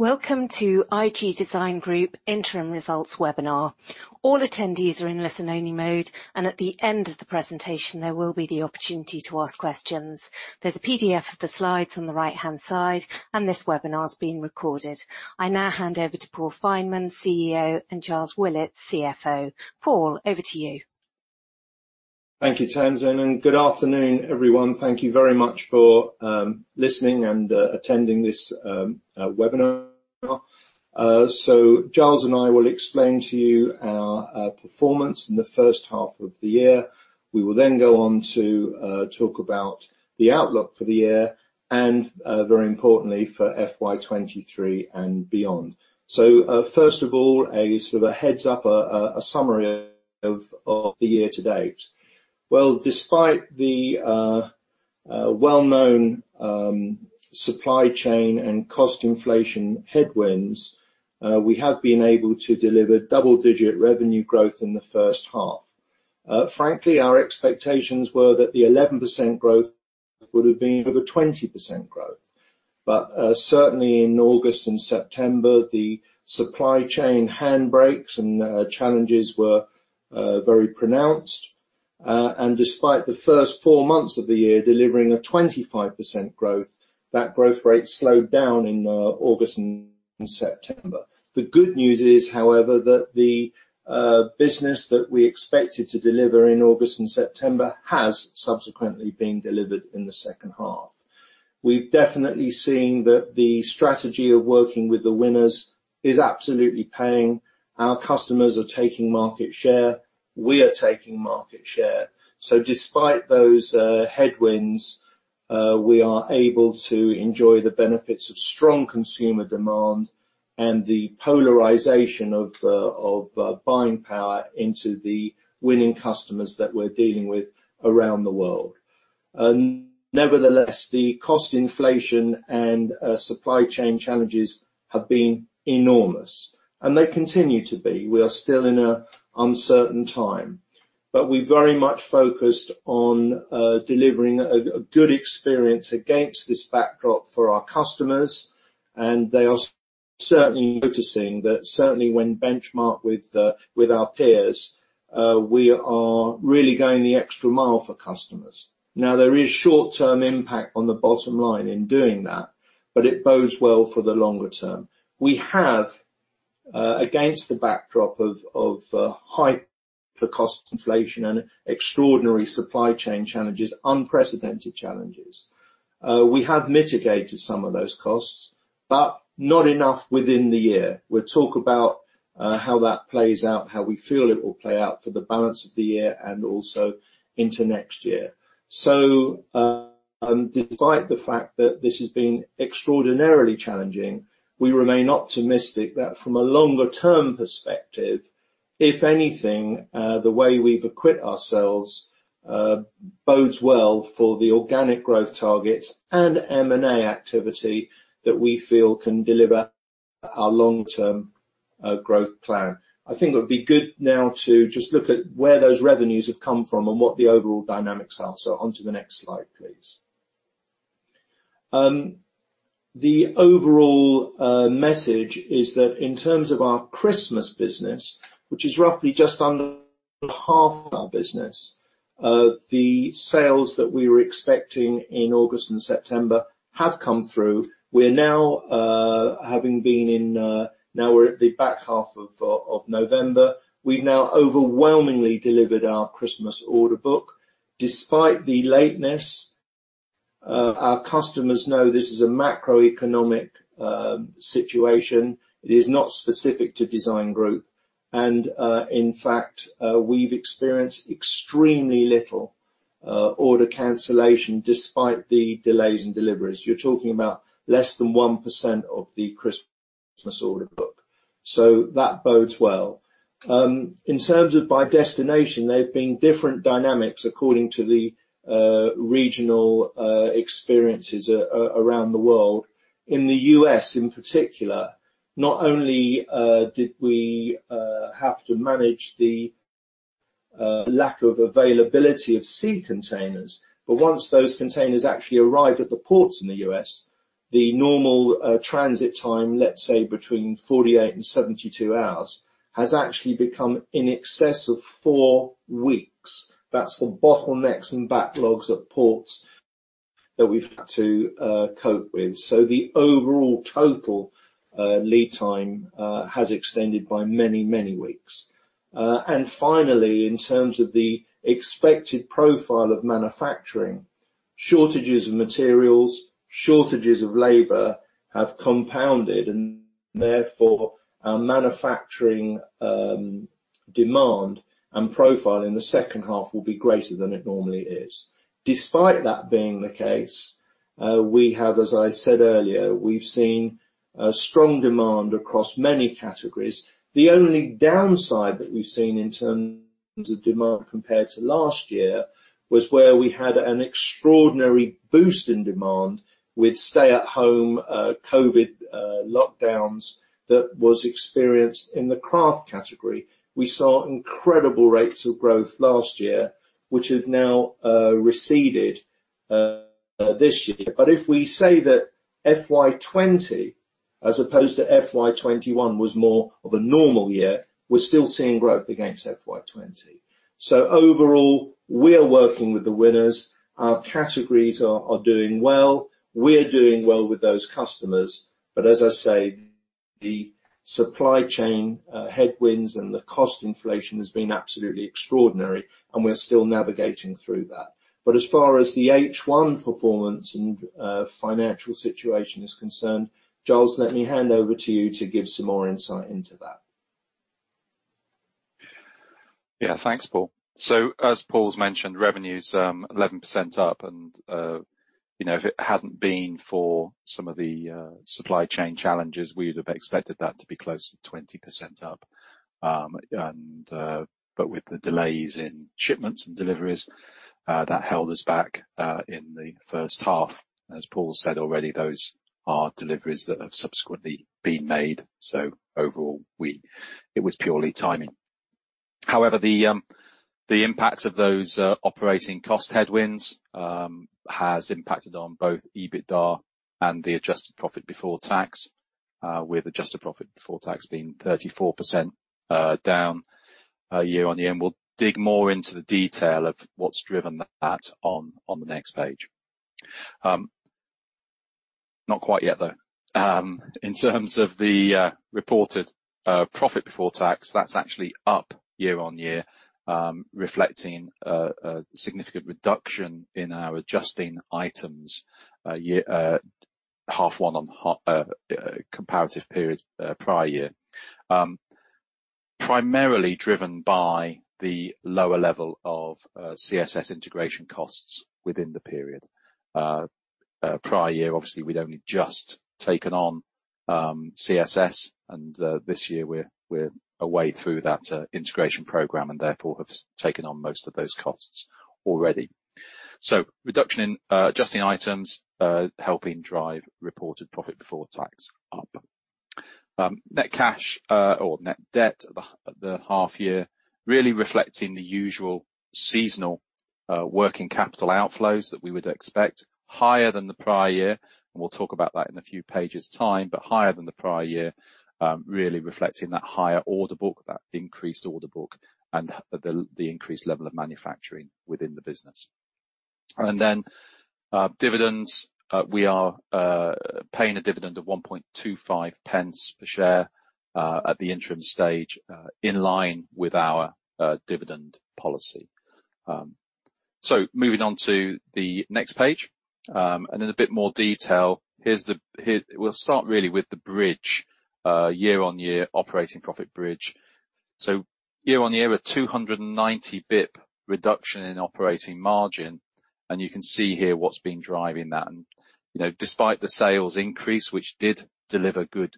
Welcome to IG Design Group interim results webinar. All attendees are in listen-only mode, and at the end of the presentation, there will be the opportunity to ask questions. There's a PDF of the slides on the right-hand side, and this webinar is being recorded. I now hand over to Paul Fineman, CEO, and Giles Willits, CFO. Paul, over to you. Thank you, Tamsin, and good afternoon, everyone. Thank you very much for listening and attending this webinar. Giles and I will explain to you our performance in the first half of the year. We will then go on to talk about the outlook for the year and very importantly, for FY 2023 and beyond. First of all, a sort of a heads up, a summary of the year to date. Well, despite the well-known supply chain and cost inflation headwinds, we have been able to deliver double-digit revenue growth in the first half. Frankly, our expectations were that the 11% growth would have been over 20% growth. Certainly in August and September, the supply chain handbrakes and challenges were very pronounced. Despite the first four months of the year delivering a 25% growth, that growth rate slowed down in August and September. The good news is, however, that the business that we expected to deliver in August and September has subsequently been delivered in the second half. We've definitely seen that the strategy of working with the winners is absolutely paying. Our customers are taking market share. We are taking market share. Despite those headwinds, we are able to enjoy the benefits of strong consumer demand and the polarization of buying power into the winning customers that we're dealing with around the world. Nevertheless, the cost inflation and supply chain challenges have been enormous, and they continue to be. We are still in an uncertain time, but we very much focused on delivering a good experience against this backdrop for our customers, and they are certainly noticing that certainly when benchmarked with our peers, we are really going the extra mile for customers. Now, there is short-term impact on the bottom line in doing that, but it bodes well for the longer term. We have against the backdrop of high input cost inflation and extraordinary supply chain challenges, unprecedented challenges. We have mitigated some of those costs, but not enough within the year. We'll talk about how that plays out, how we feel it will play out for the balance of the year and also into next year. Despite the fact that this has been extraordinarily challenging, we remain optimistic that from a longer term perspective, if anything, the way we've equipped ourselves bodes well for the organic growth targets and M&A activity that we feel can deliver our long-term growth plan. I think it would be good now to just look at where those revenues have come from and what the overall dynamics are. Onto the next slide, please. The overall message is that in terms of our Christmas business, which is roughly just under half of our business, the sales that we were expecting in August and September have come through. We're now at the back half of November. We've now overwhelmingly delivered our Christmas order book. Despite the lateness, our customers know this is a macroeconomic situation. It is not specific to Design Group. In fact, we've experienced extremely little order cancellation despite the delays in deliveries. You're talking about less than 1% of the Christmas order book. That bodes well. In terms of by destination, there have been different dynamics according to the regional experiences around the world. In the U.S. in particular, not only did we have to manage the lack of availability of sea containers, but once those containers actually arrived at the ports in the U.S., the normal transit time, let's say between 48 and 72 hours, has actually become in excess of four weeks. That's the bottlenecks and backlogs at ports that we've had to cope with. The overall total lead time has extended by many, many weeks. Finally, in terms of the expected profile of manufacturing, shortages of materials, shortages of labor have compounded, and therefore our manufacturing demand and profile in the second half will be greater than it normally is. Despite that being the case, we have, as I said earlier, we've seen a strong demand across many categories. The only downside that we've seen in terms of demand compared to last year was where we had an extraordinary boost in demand with stay-at-home COVID lockdowns that was experienced in the craft category. We saw incredible rates of growth last year, which have now receded this year. If we say that FY 2020 as opposed to FY 2021 was more of a normal year, we're still seeing growth against FY 2020. Overall, we are working with the winners. Our categories are doing well. We are doing well with those customers. As I say, the supply chain headwinds and the cost inflation has been absolutely extraordinary, and we are still navigating through that. As far as the H1 performance and financial situation is concerned, Giles, let me hand over to you to give some more insight into that. Yeah. Thanks, Paul. As Paul's mentioned, revenue's 11% up and you know if it hadn't been for some of the supply chain challenges, we would've expected that to be closer to 20% up. But with the delays in shipments and deliveries, that held us back in the first half. As Paul said already, those are deliveries that have subsequently been made. Overall, it was purely timing. However, the impact of those operating cost headwinds has impacted on both EBITDA and the adjusted profit before tax, with adjusted profit before tax being 34% down year-on-year. We'll dig more into the detail of what's driven that on the next page. Not quite yet, though. In terms of the reported profit before tax, that's actually up year-on-year, reflecting a significant reduction in our adjusting items year-on-year, H1 on H1 comparative period prior year. Primarily driven by the lower level of CSS integration costs within the period. Prior year, obviously, we'd only just taken on CSS, and this year we're a way through that integration program and therefore have taken on most of those costs already. Reduction in adjusting items helping drive reported profit before tax up. Net cash or net debt at the half year really reflecting the usual seasonal working capital outflows that we would expect, higher than the prior year, and we'll talk about that in a few pages time, but higher than the prior year, really reflecting that higher order book, that increased order book and the increased level of manufacturing within the business. Dividends. We are paying a dividend of 1.25 pence per share at the interim stage, in line with our dividend policy. Moving on to the next page, and in a bit more detail, here we'll start really with the bridge, year-over-year operating profit bridge. Year-over-year, a 290 bps reduction in operating margin, and you can see here what's been driving that. You know, despite the sales increase, which did deliver good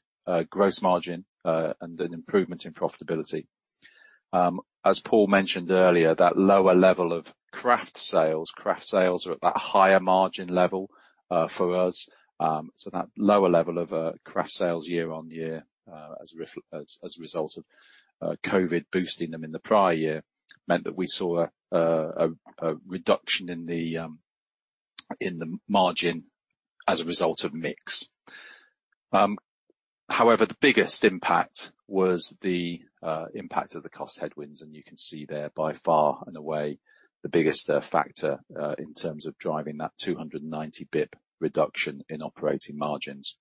gross margin and an improvement in profitability, as Paul mentioned earlier, that lower level of craft sales, craft sales are at that higher margin level for us. That lower level of craft sales year-over-year, as a result of COVID boosting them in the prior year, meant that we saw a reduction in the margin as a result of mix. However, the biggest impact was the impact of the cost headwinds, and you can see there by far and away the biggest factor in terms of driving that 290 bps reduction in operating margins.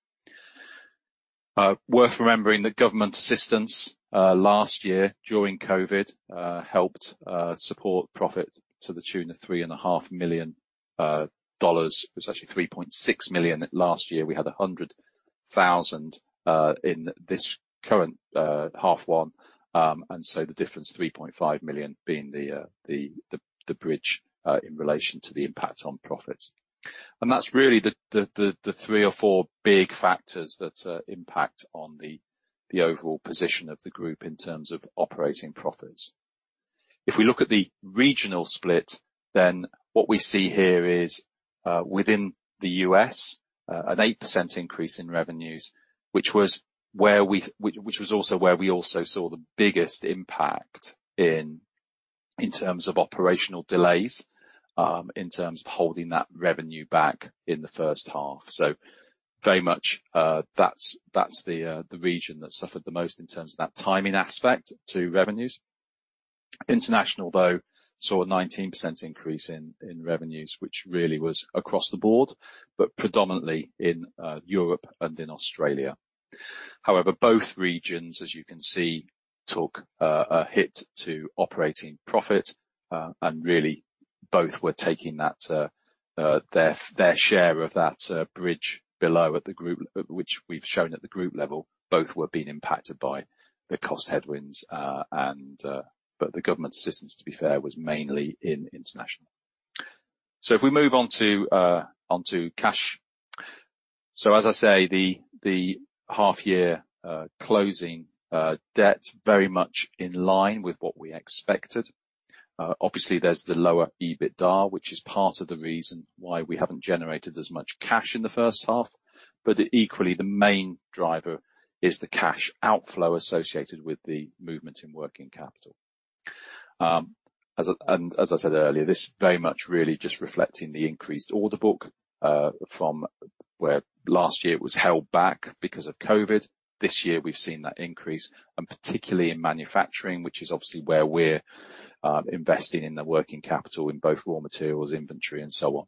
Worth remembering the government assistance last year during COVID helped support profit to the tune of $3.5 million. It was actually $3.6 million last year. We had $100,000 in this current H1. So the difference, $3.5 million being the bridge in relation to the impact on profits. That's really the three or four big factors that impact on the overall position of the group in terms of operating profits. If we look at the regional split, then what we see here is, within the U.S., an 8% increase in revenues, which was also where we saw the biggest impact in terms of operational delays, in terms of holding that revenue back in the first half. Very much, that's the region that suffered the most in terms of that timing aspect to revenues. International, though, saw a 19% increase in revenues, which really was across the board, but predominantly in Europe and in Australia. However, both regions, as you can see, took a hit to operating profit, and really both were taking that, their share of that bridge below at the group, which we've shown at the group level. Both were being impacted by the cost headwinds, and but the government assistance, to be fair, was mainly in international. If we move on to onto cash. As I say, the half year closing debt very much in line with what we expected. Obviously, there's the lower EBITDA, which is part of the reason why we haven't generated as much cash in the first half, but equally, the main driver is the cash outflow associated with the movement in working capital. As I said earlier, this is very much really just reflecting the increased order book from where last year it was held back because of COVID. This year we've seen that increase, and particularly in manufacturing, which is obviously where we're investing in the working capital in both raw materials, inventory and so on.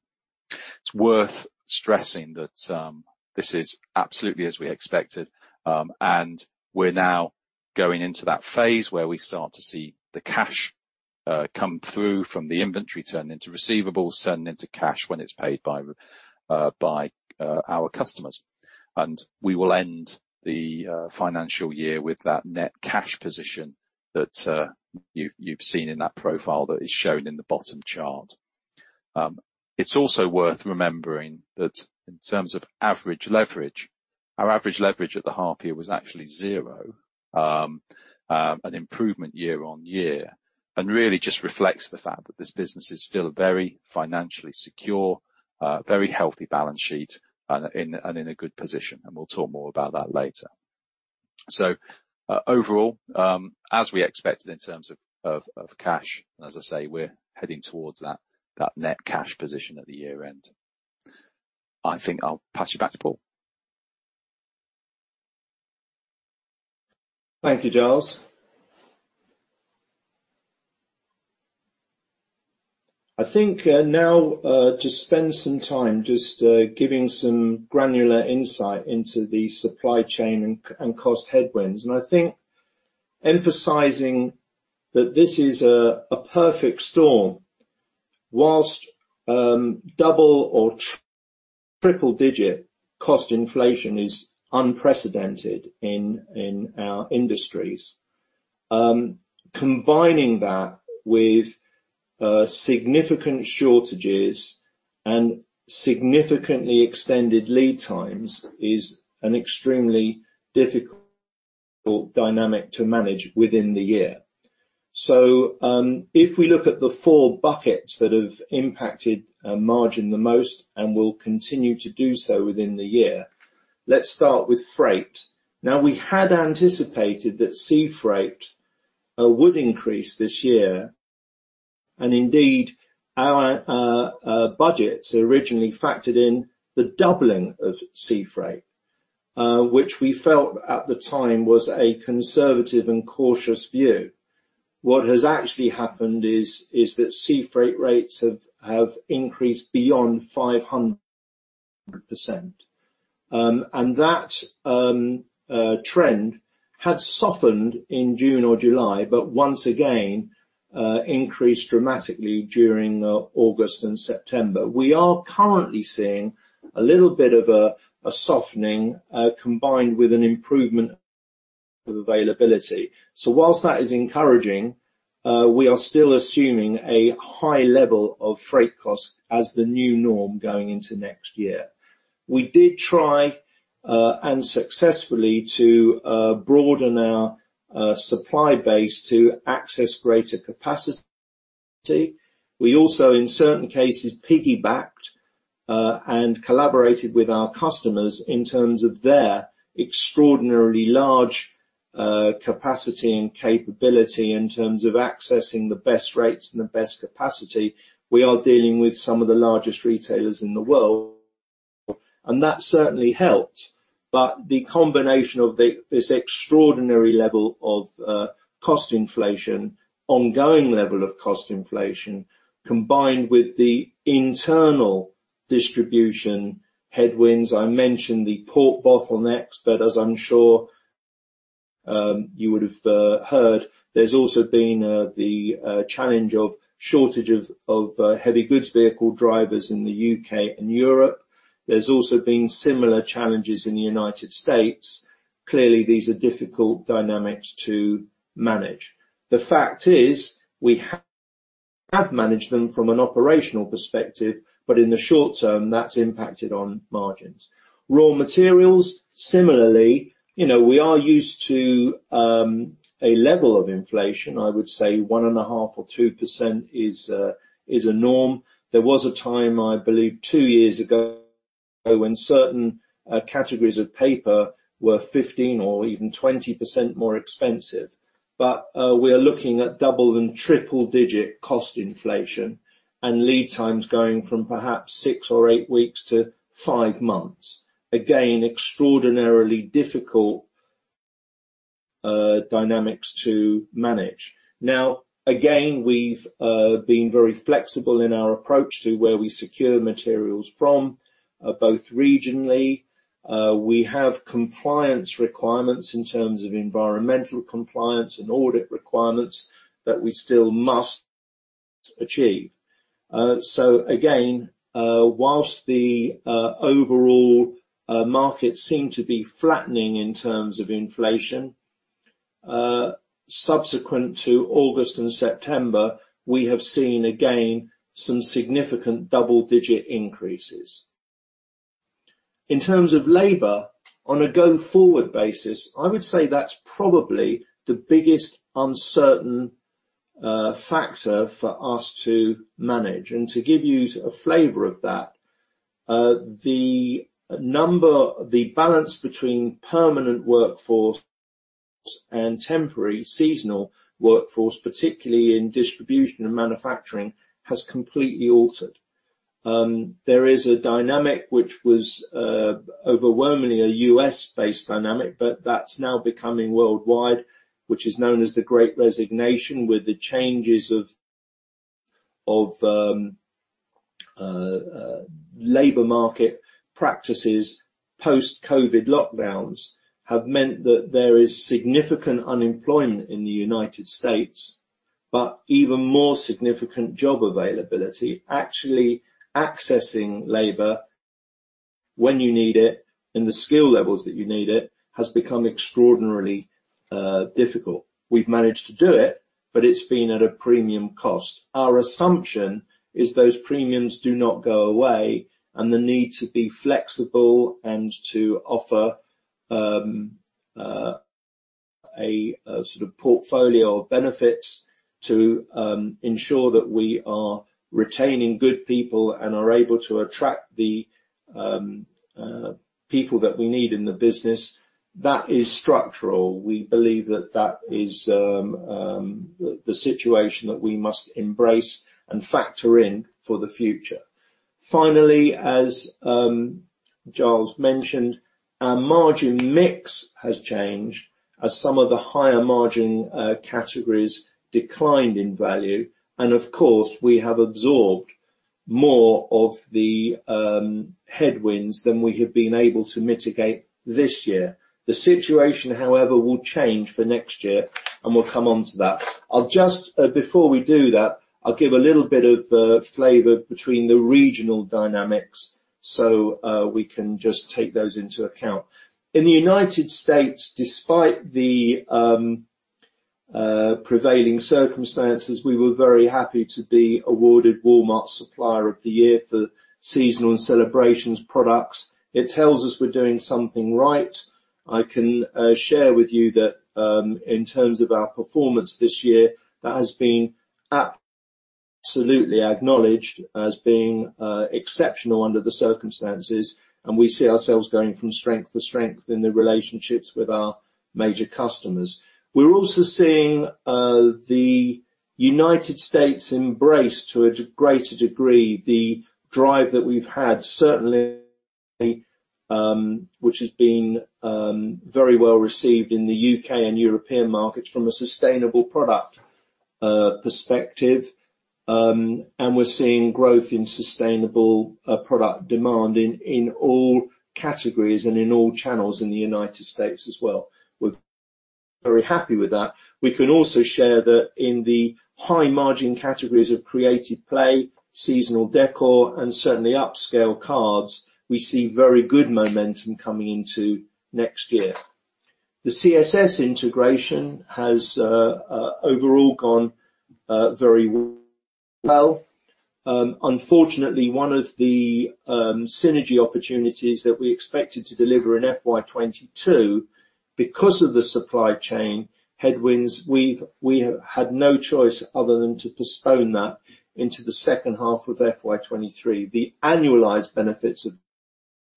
It's worth stressing that this is absolutely as we expected, and we're now going into that phase where we start to see the cash come through from the inventory, turn into receivables, turn into cash when it's paid by our customers. We will end the financial year with that net cash position that you've seen in that profile that is shown in the bottom chart. It's also worth remembering that in terms of average leverage, our average leverage at the half year was actually zero, an improvement year-over-year, and really just reflects the fact that this business is still very financially secure, a very healthy balance sheet, and in a good position, and we'll talk more about that later. Overall, as we expected in terms of cash, and as I say, we're heading towards that net cash position at the year-end. I think I'll pass you back to Paul. Thank you, Giles. I think now just spend some time just giving some granular insight into the supply chain and cost headwinds, and I think emphasizing that this is a perfect storm. While double or triple digit cost inflation is unprecedented in our industries, combining that with significant shortages and significantly extended lead times is an extremely difficult dynamic to manage within the year. If we look at the four buckets that have impacted margin the most and will continue to do so within the year, let's start with freight. Now, we had anticipated that sea freight would increase this year, and indeed our budgets originally factored in the doubling of sea freight, which we felt at the time was a conservative and cautious view. What has actually happened is that sea freight rates have increased beyond 500%. That trend had softened in June or July, but once again increased dramatically during August and September. We are currently seeing a little bit of a softening combined with an improvement of availability. While that is encouraging, we are still assuming a high level of freight costs as the new norm going into next year. We did try and successfully to broaden our supply base to access greater capacity. We also, in certain cases, piggybacked and collaborated with our customers in terms of their extraordinarily large capacity and capability in terms of accessing the best rates and the best capacity. We are dealing with some of the largest retailers in the world, and that certainly helped. The combination of this extraordinary level of cost inflation, ongoing level of cost inflation, combined with the internal distribution headwinds, I mentioned the port bottlenecks, but as I'm sure you would have heard, there's also been the challenge of shortage of heavy goods vehicle drivers in the U.K. and Europe. There's also been similar challenges in the United States. Clearly, these are difficult dynamics to manage. The fact is, we have managed them from an operational perspective, but in the short term, that's impacted on margins. Raw materials, similarly, you know, we are used to a level of inflation. I would say 1.5% or 2% is a norm. There was a time, I believe two years ago, when certain categories of paper were 15% or even 20% more expensive. We are looking at double- and triple-digit cost inflation and lead times going from perhaps six or eight weeks to five months. Again, extraordinarily difficult dynamics to manage. Now, again, we've been very flexible in our approach to where we secure materials from, both regionally. We have compliance requirements in terms of environmental compliance and audit requirements that we still must achieve. So again, while the overall markets seem to be flattening in terms of inflation, subsequent to August and September, we have seen again some significant double-digit increases. In terms of labor on a going forward basis, I would say that's probably the biggest uncertain factor for us to manage. To give you a flavor of that, the balance between permanent workforce and temporary seasonal workforce, particularly in distribution and manufacturing, has completely altered. There is a dynamic which was overwhelmingly a U.S.-based dynamic, but that's now becoming worldwide, which is known as the Great Resignation, with the changes of labor market practices. Post-COVID lockdowns have meant that there is significant unemployment in the United States, but even more significant job availability. Actually accessing labor when you need it and the skill levels that you need it has become extraordinarily difficult. We've managed to do it, but it's been at a premium cost. Our assumption is those premiums do not go away, and the need to be flexible and to offer a sort of portfolio of benefits to ensure that we are retaining good people and are able to attract the people that we need in the business, that is structural. We believe that is the situation that we must embrace and factor in for the future. Finally, as Giles mentioned, our margin mix has changed as some of the higher margin categories declined in value, and of course, we have absorbed more of the headwinds than we have been able to mitigate this year. The situation, however, will change for next year, and we'll come on to that. I'll just before we do that, I'll give a little bit of flavor between the regional dynamics, so we can just take those into account. In the United States, despite the prevailing circumstances, we were very happy to be awarded Walmart Supplier of the Year for seasonal and celebrations products. It tells us we're doing something right. I can share with you that in terms of our performance this year, that has been absolutely acknowledged as being exceptional under the circumstances, and we see ourselves going from strength to strength in the relationships with our major customers. We're also seeing the United States embrace to a greater degree the drive that we've had, certainly, which has been very well-received in the U.K. and European markets from a sustainable product perspective. We're seeing growth in sustainable product demand in all categories and in all channels in the United States as well. We're very happy with that. We can also share that in the high margin categories of Creative Play, Seasonal Décor, and certainly upscale cards, we see very good momentum coming into next year. The CSS integration has overall gone very well. Unfortunately, one of the synergy opportunities that we expected to deliver in FY 2022, because of the supply chain headwinds, we have had no choice other than to postpone that into the second half of FY 2023. The annualized benefits of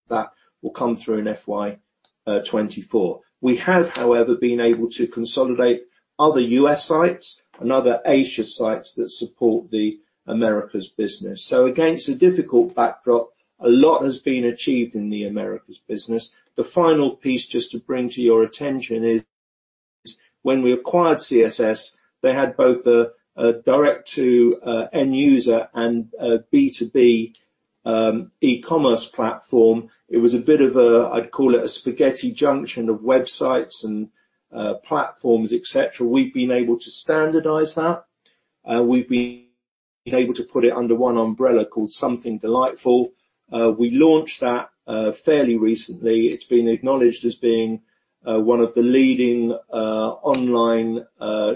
that will come through in FY 2024. We have, however, been able to consolidate other U.S. sites and other Asia sites that support the Americas business. Against a difficult backdrop, a lot has been achieved in the Americas business. The final piece, just to bring to your attention is when we acquired CSS, they had both a direct to end user and a B2B e-commerce platform. It was a bit of a, I'd call it a spaghetti junction of websites and platforms, et cetera. We've been able to standardize that. We've been able to put it under one umbrella called Something Delightful. We launched that fairly recently. It's been acknowledged as being one of the leading online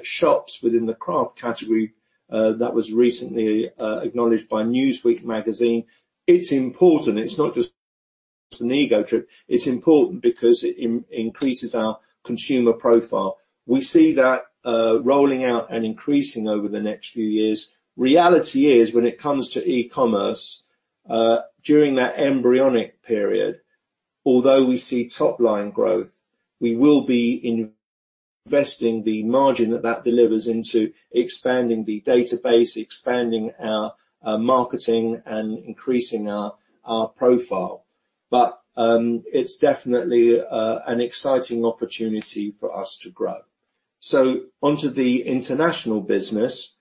shops within the craft category. That was recently acknowledged by Newsweek magazine. It's important. It's not just an ego trip. It's important because it increases our consumer profile. We see that rolling out and increasing over the next few years. Reality is, when it comes to e-commerce, during that embryonic period, although we see top line growth, we will be investing the margin that delivers into expanding the database, expanding our marketing, and increasing our profile. It's definitely an exciting opportunity for us to grow. Onto the international business,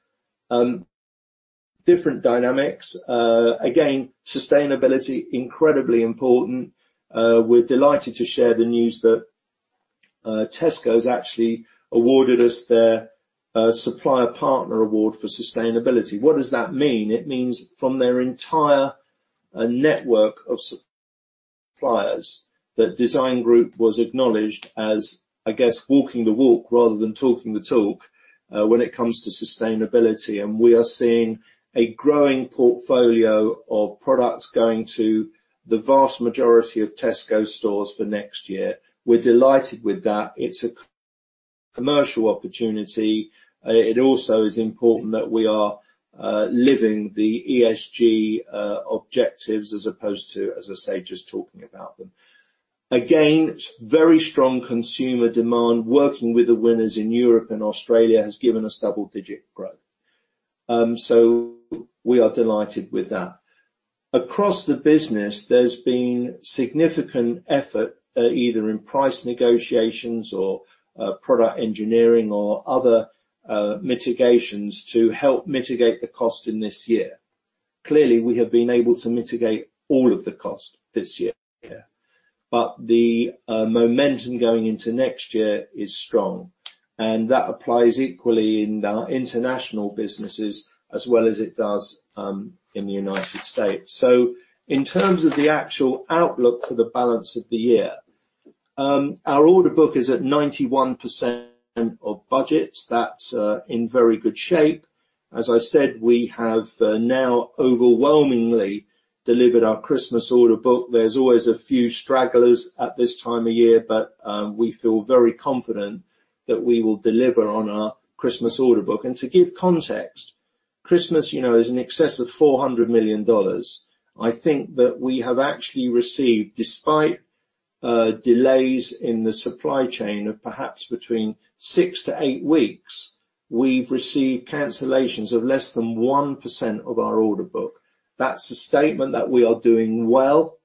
different dynamics. Again, sustainability, incredibly important. We're delighted to share the news that Tesco has actually awarded us their Supplier Partner Award for Sustainability. What does that mean? It means from their entire network of suppliers that Design Group was acknowledged as, I guess, walking the walk rather than talking the talk when it comes to sustainability. We are seeing a growing portfolio of products going to the vast majority of Tesco stores for next year. We're delighted with that. It's a commercial opportunity. It also is important that we are living the ESG objectives as opposed to, as I say, just talking about them. Again, very strong consumer demand. Working with the winners in Europe and Australia has given us double-digit growth. We are delighted with that. Across the business, there's been significant effort either in price negotiations or product engineering or other mitigations to help mitigate the cost in this year. Clearly, we have been able to mitigate all of the cost this year. The momentum going into next year is strong, and that applies equally in our international businesses as well as it does in the United States. In terms of the actual outlook for the balance of the year, our order book is at 91% of budget. That's in very good shape. As I said, we have now overwhelmingly delivered our Christmas order book. There's always a few stragglers at this time of year, but we feel very confident that we will deliver on our Christmas order book. To give context, Christmas, you know, is in excess of $400 million. I think that we have actually received, despite delays in the supply chain of perhaps between 6-8 weeks, we've received cancellations of less than 1% of our order book. That's the statement that we are doing well,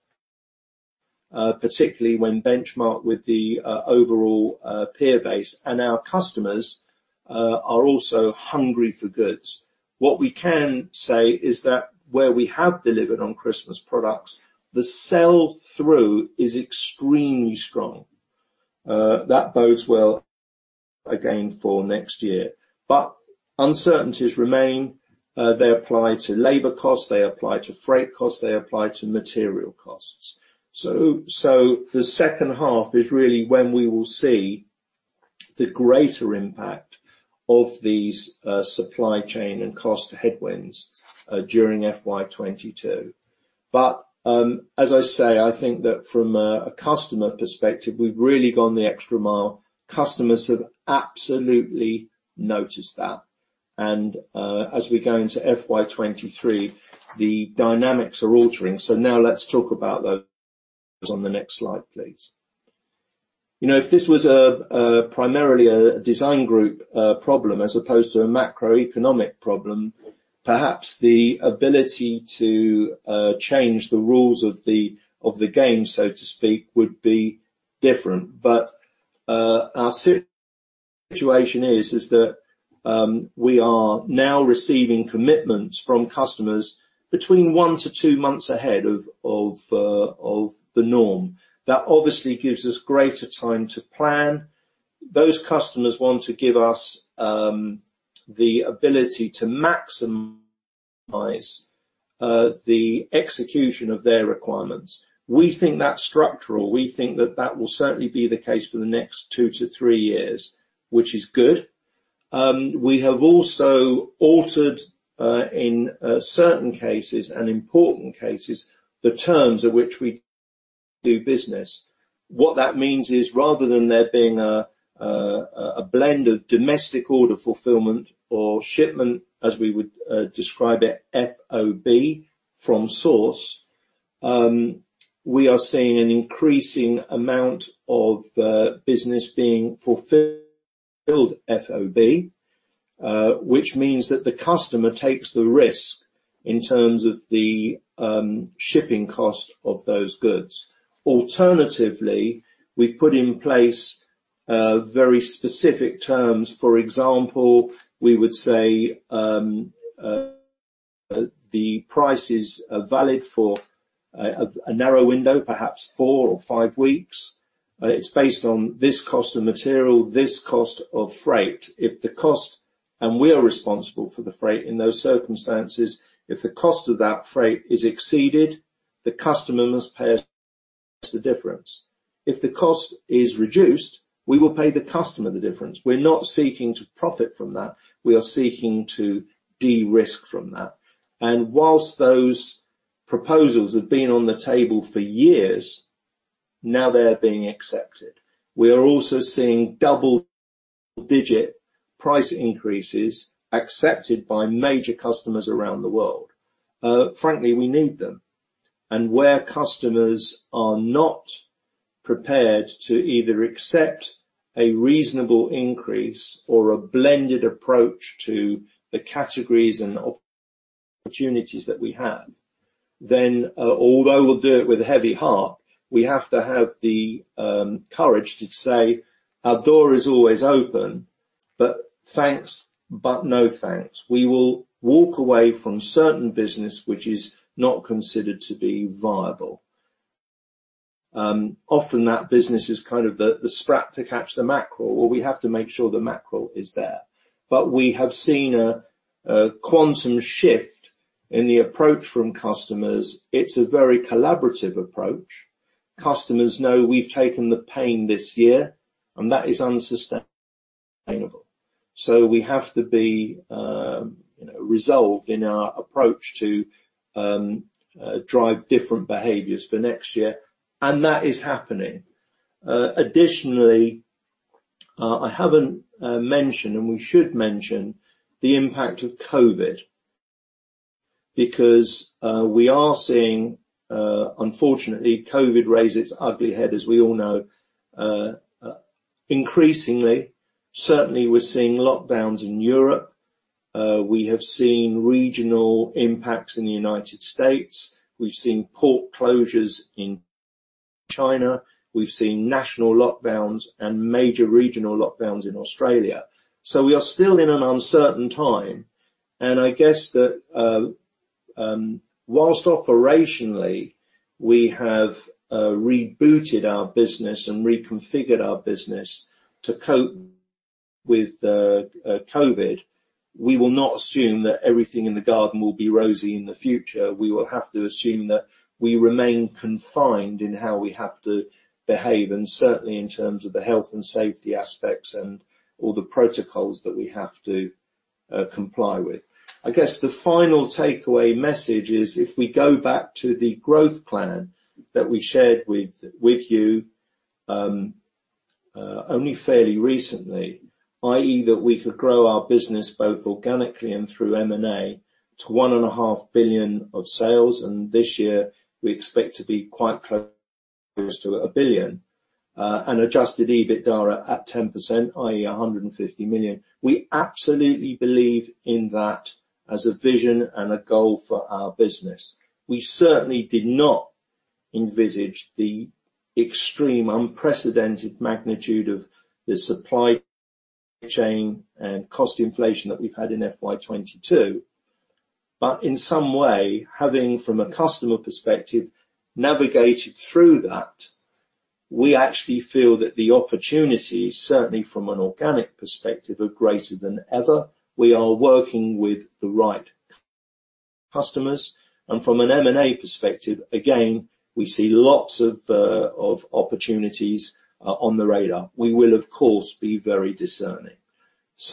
particularly when benchmarked with the overall peer base. Our customers are also hungry for goods. What we can say is that where we have delivered on Christmas products, the sell-through is extremely strong. That bodes well, again, for next year. Uncertainties remain. They apply to labor costs, they apply to freight costs, they apply to material costs. The second half is really when we will see the greater impact of these supply chain and cost headwinds during FY 2022. As I say, I think that from a customer perspective, we've really gone the extra mile. Customers have absolutely noticed that. As we go into FY 2023, the dynamics are altering. Now let's talk about those on the next slide, please. You know, if this was primarily a Design Group problem as opposed to a macroeconomic problem, perhaps the ability to change the rules of the game, so to speak, would be different. Our situation is that we are now receiving commitments from customers between 1-2 months ahead of the norm. That obviously gives us greater time to plan. Those customers want to give us the ability to maximize the execution of their requirements. We think that's structural. We think that will certainly be the case for the next 2-3 years, which is good. We have also altered, in certain cases and important cases, the terms at which we do business. What that means is, rather than there being a blend of domestic order fulfillment or shipment, as we would describe it, FOB, from source, we are seeing an increasing amount of business being fulfilled FOB, which means that the customer takes the risk in terms of the shipping cost of those goods. Alternatively, we've put in place very specific terms. For example, we would say the prices are valid for a narrow window, perhaps four or five weeks. It's based on this cost of material, this cost of freight. If the cost and we are responsible for the freight in those circumstances, if the cost of that freight is exceeded, the customer must pay us the difference. If the cost is reduced, we will pay the customer the difference. We're not seeking to profit from that. We are seeking to de-risk from that. Whilst those proposals have been on the table for years, now they're being accepted. We are also seeing double-digit price increases accepted by major customers around the world. Frankly, we need them. Where customers are not prepared to either accept a reasonable increase or a blended approach to the categories and opportunities that we have, then, although we'll do it with a heavy heart, we have to have the courage to say, "Our door is always open, but thanks, but no thanks." We will walk away from certain business which is not considered to be viable. Often that business is kind of the sprat to catch the mackerel. Well, we have to make sure the mackerel is there. We have seen a quantum shift in the approach from customers. It's a very collaborative approach. Customers know we've taken the pain this year, and that is unsustainable. We have to be, you know, resolved in our approach to drive different behaviors for next year, and that is happening. Additionally, I haven't mentioned, and we should mention the impact of COVID because we are seeing, unfortunately, COVID raise its ugly head, as we all know, increasingly. Certainly, we're seeing lockdowns in Europe. We have seen regional impacts in the United States. We've seen port closures in China. We've seen national lockdowns and major regional lockdowns in Australia. We are still in an uncertain time, and I guess that, whilst operationally we have rebooted our business and reconfigured our business to cope with the COVID, we will not assume that everything in the garden will be rosy in the future. We will have to assume that we remain confined in how we have to behave, and certainly in terms of the health and safety aspects and all the protocols that we have to comply with. I guess the final takeaway message is if we go back to the growth plan that we shared with you only fairly recently, i.e., that we could grow our business both organically and through M&A to 1.5 billion of sales, and this year we expect to be quite close to a billion, and adjusted EBITDA at 10%, i.e., 150 million. We absolutely believe in that as a vision and a goal for our business. We certainly did not envisage the extreme unprecedented magnitude of the supply chain and cost inflation that we've had in FY 2022. In some way, having, from a customer perspective, navigated through that, we actually feel that the opportunities, certainly from an organic perspective, are greater than ever. We are working with the right customers, and from an M&A perspective, again, we see lots of opportunities, on the radar. We will, of course, be very discerning.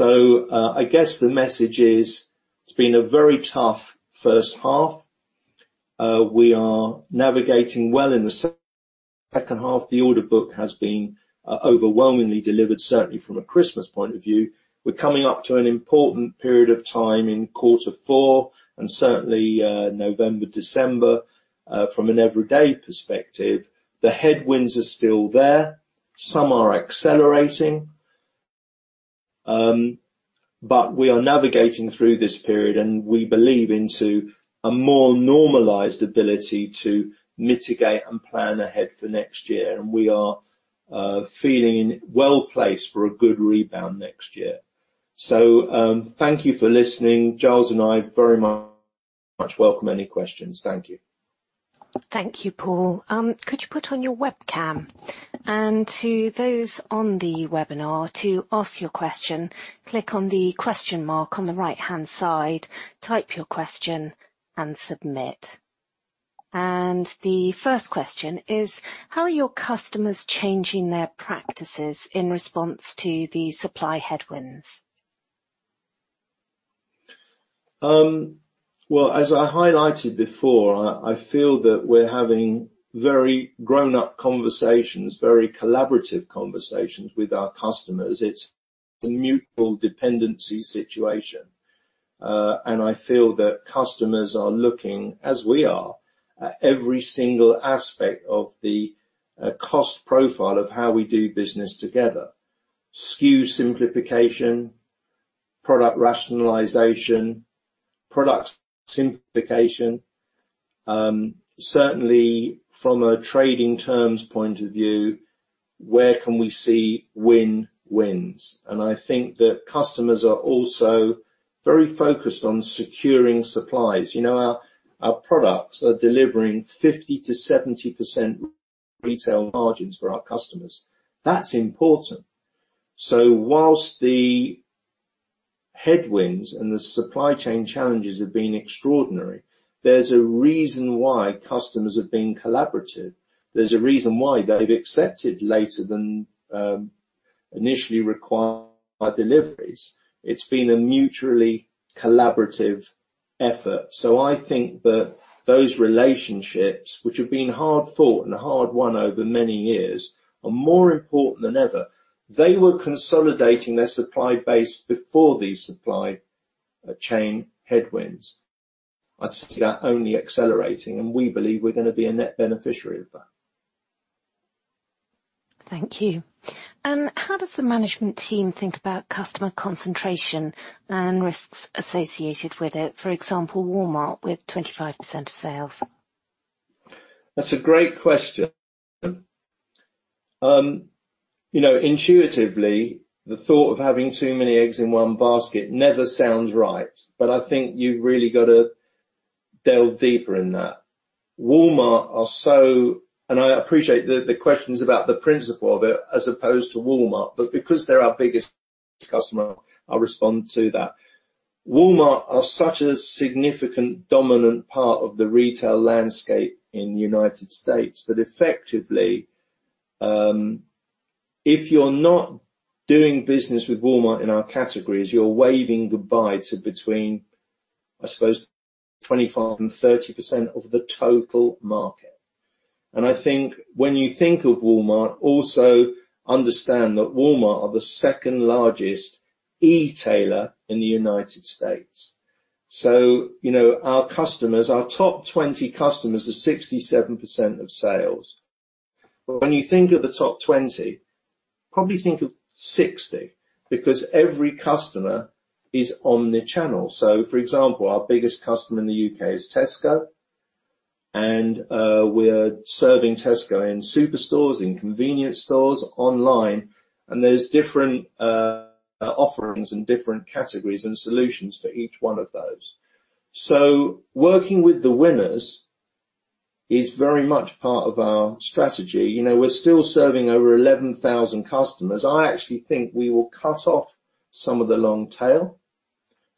I guess the message is, it's been a very tough first half. We are navigating well in the second half. The order book has been, overwhelmingly delivered, certainly from a Christmas point of view. We're coming up to an important period of time in quarter four and certainly, November, December. From an everyday perspective, the headwinds are still there. Some are accelerating, but we are navigating through this period, and we believe into a more normalized ability to mitigate and plan ahead for next year, and we are feeling well-placed for a good rebound next year. Thank you for listening. Giles and I very much welcome any questions. Thank you. Thank you, Paul. Could you put on your webcam? To those on the webinar, to ask your question, click on the question mark on the right-hand side, type your question, and submit. The first question is, how are your customers changing their practices in response to the supply headwinds? Well, as I highlighted before, I feel that we're having very grown-up conversations, very collaborative conversations with our customers. It's a mutual dependency situation. I feel that customers are looking, as we are, at every single aspect of the cost profile of how we do business together. SKU simplification, product rationalization, product simplification. Certainly from a trading terms point of view, where can we see win-wins? I think that customers are also very focused on securing supplies. You know, our products are delivering 50%-70% retail margins for our customers. That's important. Whilst the headwinds and the supply chain challenges have been extraordinary, there's a reason why customers have been collaborative. There's a reason why they've accepted later than initially required deliveries. It's been a mutually collaborative effort. I think that those relationships, which have been hard-fought and hard-won over many years, are more important than ever. They were consolidating their supply base before the supply chain headwinds. I see that only accelerating, and we believe we're gonna be a net beneficiary of that. Thank you. How does the management team think about customer concentration and risks associated with it? For example, Walmart with 25% of sales. That's a great question. You know, intuitively, the thought of having too many eggs in one basket never sounds right, but I think you've really gotta delve deeper in that. I appreciate the questions about the principle of it as opposed to Walmart, but because they're our biggest customer, I'll respond to that. Walmart are such a significant, dominant part of the retail landscape in the United States that effectively, if you're not doing business with Walmart in our categories, you're waving goodbye to between, I suppose, 25%-30% of the total market. I think when you think of Walmart, also understand that Walmart are the second largest e-tailer in the United States. You know, our customers, our top 20 customers are 67% of sales. When you think of the top 20, probably think of 60, because every customer is on the channel. For example, our biggest customer in the U.K. is Tesco, and we're serving Tesco in super stores, in convenience stores, online, and there's different offerings and different categories and solutions for each one of those. Working with the winners is very much part of our strategy. You know, we're still serving over 11,000 customers. I actually think we will cut off some of the long tail.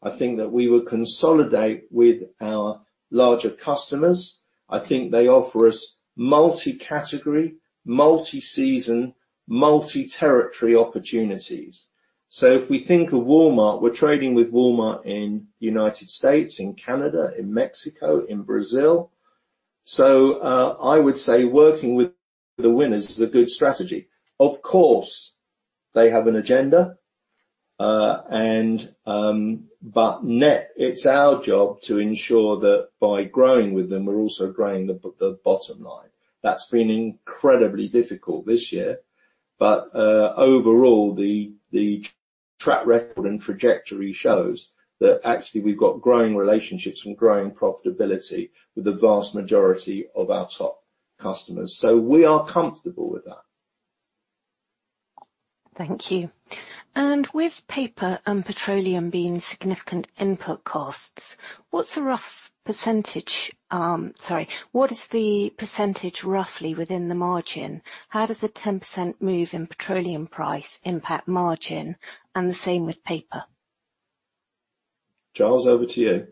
I think that we will consolidate with our larger customers. I think they offer us multi-category, multi-season, multi-territory opportunities. If we think of Walmart, we're trading with Walmart in the United States, in Canada, in Mexico, in Brazil. I would say working with the winners is a good strategy. Of course, they have an agenda, and net, it's our job to ensure that by growing with them, we're also growing the bottom line. That's been incredibly difficult this year. Overall, the track record and trajectory shows that actually we've got growing relationships and growing profitability with the vast majority of our top customers. We are comfortable with that. Thank you. With paper and petroleum being significant input costs, what is the percentage roughly within the margin? How does the 10% move in petroleum price impact margin? The same with paper. Giles, over to you.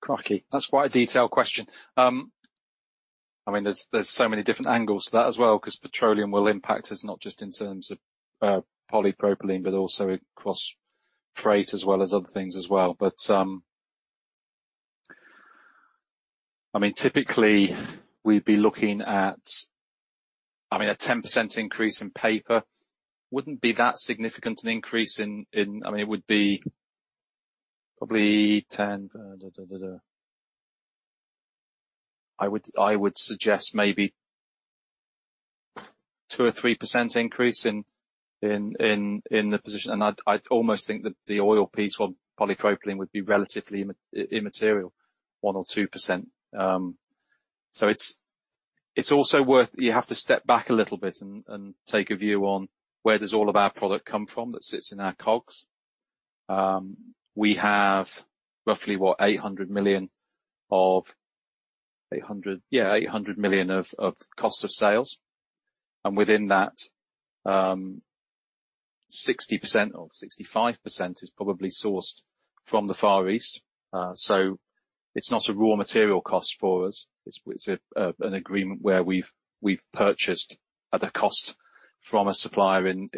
Crikey. That's quite a detailed question. I mean, there's so many different angles to that as well 'cause petroleum will impact us not just in terms of polypropylene but also across freight as well as other things as well. I mean, typically we'd be looking at. I mean, a 10% increase in paper wouldn't be that significant an increase. I mean, it would be probably 10. I would suggest maybe 2% or 3% increase in the position, and I'd almost think that the oil piece for polypropylene would be relatively immaterial, 1% or 2%. It's also worth it. You have to step back a little bit and take a view on where does all of our product come from that sits in our COGS? We have roughly 800 million of cost of sales. Within that, 60% or 65% is probably sourced from the Far East. It's not a raw material cost for us. It's an agreement where we've purchased at a cost from a supplier in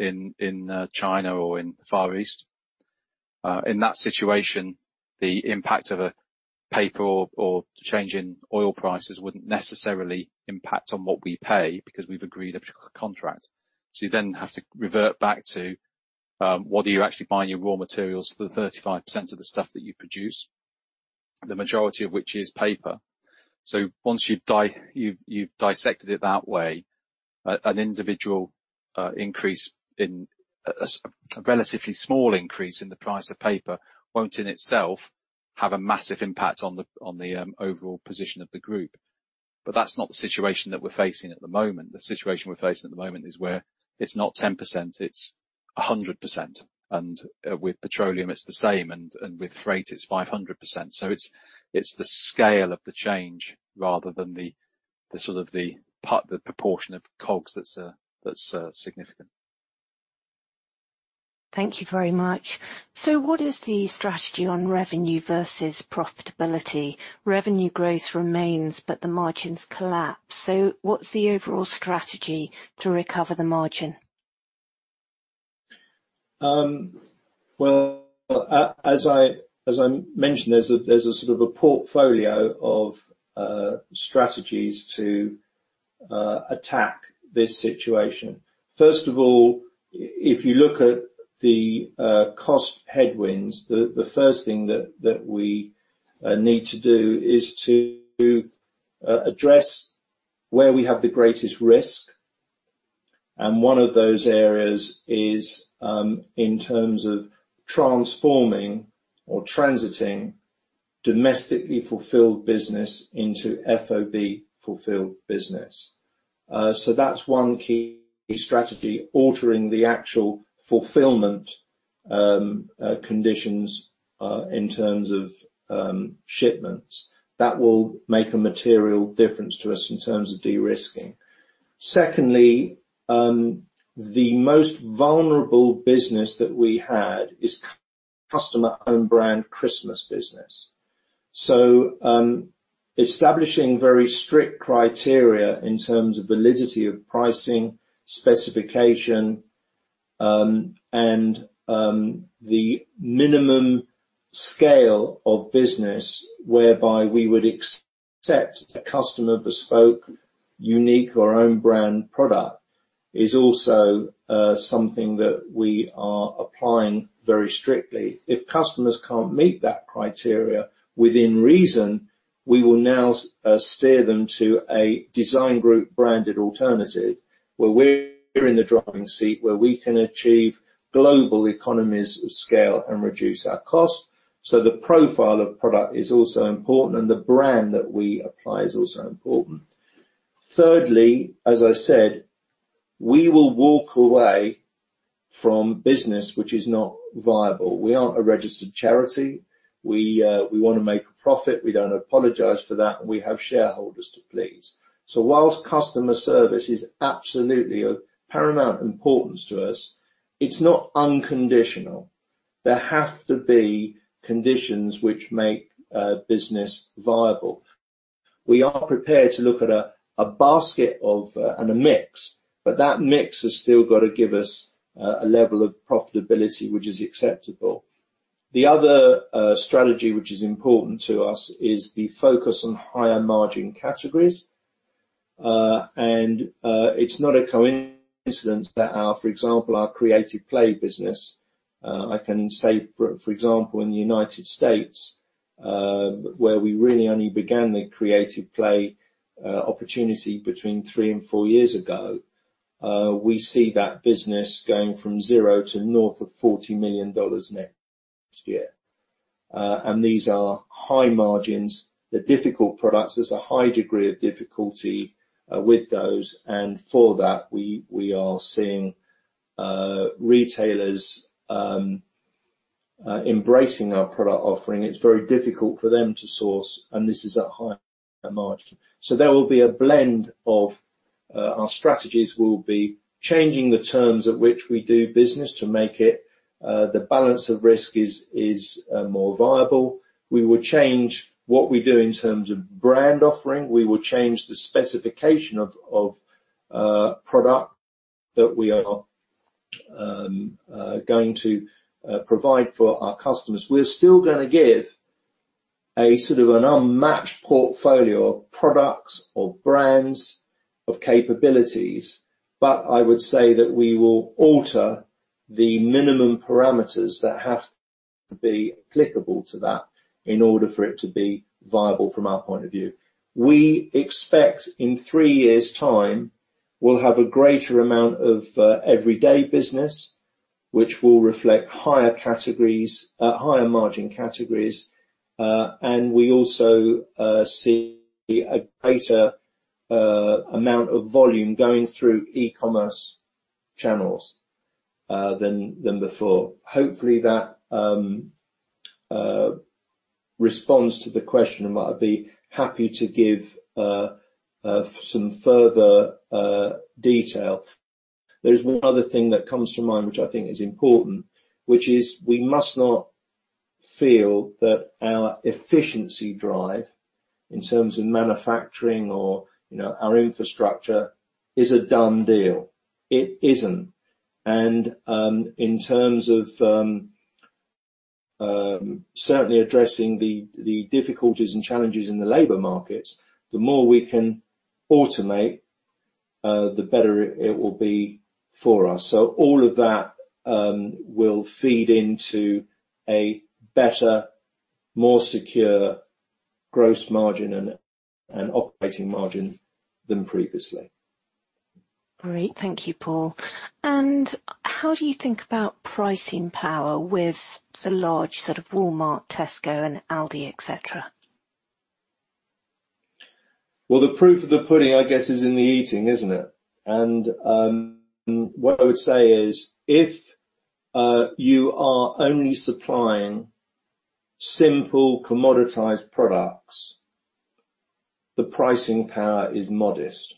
China or in the Far East. In that situation, the impact of a paper or the change in oil prices wouldn't necessarily impact on what we pay because we've agreed a contract. You then have to revert back to what are you actually buying your raw materials for the 35% of the stuff that you produce, the majority of which is paper. Once you've dissected it that way, an individual increase in A relatively small increase in the price of paper won't in itself have a massive impact on the overall position of the group. That's not the situation that we're facing at the moment. The situation we're facing at the moment is where it's not 10%, it's 100%, and with petroleum it's the same, and with freight it's 500%. It's the scale of the change rather than the sort of proportion of COGS that's significant. Thank you very much. What is the strategy on revenue versus profitability? Revenue growth remains, but the margins collapse. What's the overall strategy to recover the margin? Well, as I mentioned, there's a sort of a portfolio of strategies to attack this situation. First of all, if you look at the cost headwinds, the first thing that we need to do is to address where we have the greatest risk, and one of those areas is in terms of transforming or transitioning domestically fulfilled business into FOB fulfilled business. That's one key strategy, altering the actual fulfillment conditions in terms of shipments. That will make a material difference to us in terms of de-risking. Secondly, the most vulnerable business that we had is customer home brand Christmas business. Establishing very strict criteria in terms of validity of pricing, specification, and the minimum scale of business whereby we would accept a customer bespoke, unique or own brand product is also something that we are applying very strictly. If customers can't meet that criteria within reason, we will now steer them to a Design Group branded alternative where we're in the driving seat, where we can achieve global economies of scale and reduce our costs. The profile of product is also important, and the brand that we apply is also important. Thirdly, as I said, we will walk away from business which is not viable. We aren't a registered charity. We wanna make a profit, we don't apologize for that, and we have shareholders to please. While customer service is absolutely of paramount importance to us, it's not unconditional. There have to be conditions which make business viable. We are prepared to look at a basket and a mix, but that mix has still gotta give us a level of profitability which is acceptable. The other strategy which is important to us is the focus on higher margin categories. It's not a coincidence that our, for example, Creative Play business, I can say for example in the United States, where we really only began the Creative Play opportunity between three and four years ago, we see that business going from zero to north of $40 million next year. These are high margins. They're difficult products. There's a high degree of difficulty with those, and for that we are seeing retailers embracing our product offering. It's very difficult for them to source, and this is at high margin. There will be a blend of our strategies will be changing the terms at which we do business to make it the balance of risk is more viable. We will change what we do in terms of brand offering. We will change the specification of product that we are going to provide for our customers. We're still gonna give a sort of an unmatched portfolio of products or brands of capabilities, but I would say that we will alter the minimum parameters that have to be applicable to that in order for it to be viable from our point of view. We expect in three years' time we'll have a greater amount of everyday business, which will reflect higher categories, higher margin categories, and we also see a greater amount of volume going through e-commerce channels than before. Hopefully, that responds to the question, and I'd be happy to give some further detail. There is one other thing that comes to mind, which I think is important, which is we must not feel that our efficiency drive in terms of manufacturing or, you know, our infrastructure is a done deal. It isn't. In terms of certainly addressing the difficulties and challenges in the labor markets, the more we can automate, the better it will be for us. All of that will feed into a better, more secure gross margin and operating margin than previously. Great. Thank you, Paul. How do you think about pricing power with the large, sort of Walmart, Tesco and Aldi, et cetera? Well, the proof of the pudding, I guess, is in the eating, isn't it? What I would say is if you are only supplying simple commoditized products, the pricing power is modest.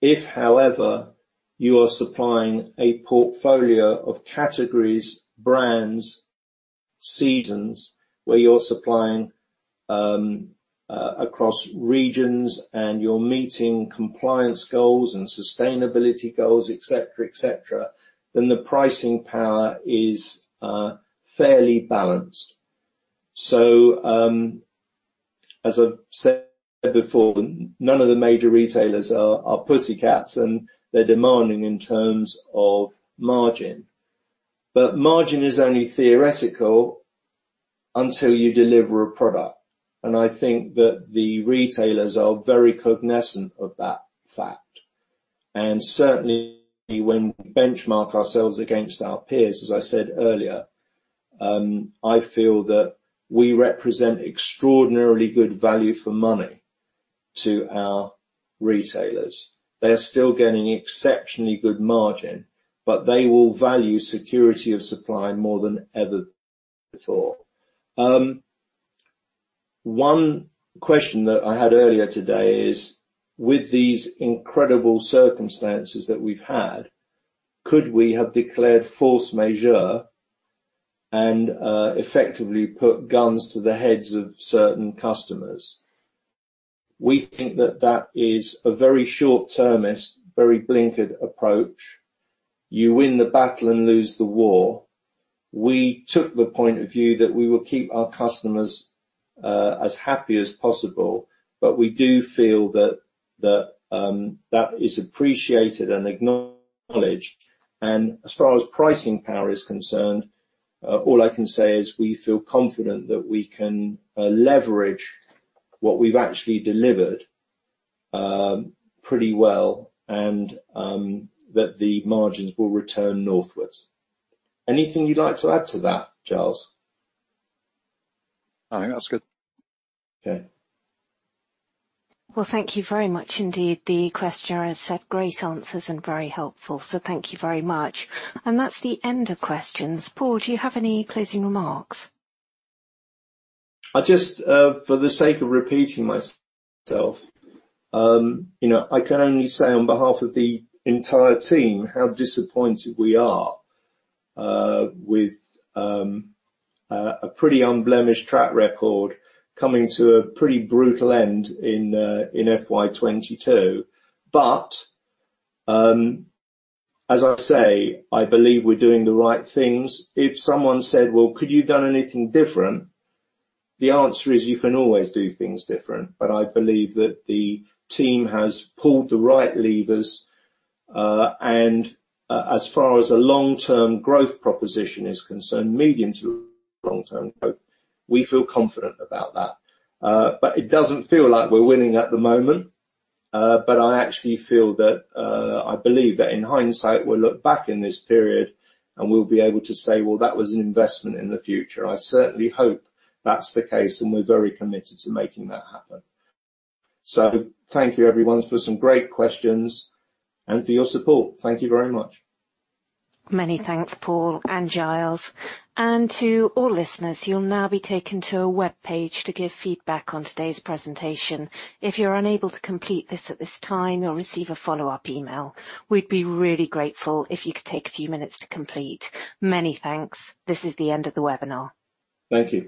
If, however, you are supplying a portfolio of categories, brands, seasons, where you're supplying across regions and you're meeting compliance goals and sustainability goals, et cetera, et cetera, then the pricing power is fairly balanced. As I've said before, none of the major retailers are pussycats, and they're demanding in terms of margin. Margin is only theoretical until you deliver a product, and I think that the retailers are very cognizant of that fact. Certainly when we benchmark ourselves against our peers, as I said earlier, I feel that we represent extraordinarily good value for money to our retailers. They're still getting exceptionally good margin, but they will value security of supply more than ever before. One question that I had earlier today is, with these incredible circumstances that we've had, could we have declared force majeure and effectively put guns to the heads of certain customers? We think that is a very short-termist, very blinkered approach. You win the battle and lose the war. We took the point of view that we will keep our customers as happy as possible, but we do feel that is appreciated and acknowledged. As far as pricing power is concerned, all I can say is we feel confident that we can leverage what we've actually delivered pretty well and that the margins will return northwards. Anything you'd like to add to that, Giles? I think that's good. Okay. Well, thank you very much indeed. The questioner has said great answers and very helpful, so thank you very much. That's the end of questions. Paul, do you have any closing remarks? I just, for the sake of repeating myself, you know, I can only say on behalf of the entire team how disappointed we are, with a pretty unblemished track record coming to a pretty brutal end in FY 2022. As I say, I believe we're doing the right things. If someone said, "Well, could you done anything different?" The answer is you can always do things different, but I believe that the team has pulled the right levers. As far as a long-term growth proposition is concerned, medium to long-term growth, we feel confident about that. It doesn't feel like we're winning at the moment, but I actually feel that, I believe that in hindsight, we'll look back in this period, and we'll be able to say, well, that was an investment in the future. I certainly hope that's the case, and we're very committed to making that happen. Thank you everyone for some great questions and for your support. Thank you very much. Many thanks, Paul and Giles. To all listeners, you'll now be taken to a webpage to give feedback on today's presentation. If you're unable to complete this at this time, you'll receive a follow-up email. We'd be really grateful if you could take a few minutes to complete. Many thanks. This is the end of the webinar. Thank you.